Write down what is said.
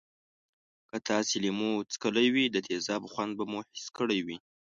که تاسې لیمو څکلی وي د تیزابو خوند به مو حس کړی وی.